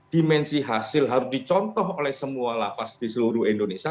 dimensi hasil harus dicontoh oleh semua lapas di seluruh indonesia